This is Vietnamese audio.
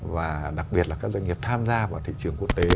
và đặc biệt là các doanh nghiệp tham gia vào thị trường quốc tế